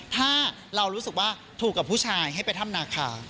ถ้าเรารู้สึกว่าถูกกับผู้ชายให้ไปถ้ำนาคา